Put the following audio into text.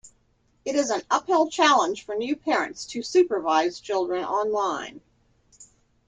It is an uphill challenge for new parents to supervise children online.